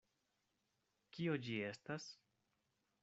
Kio ĝi estas?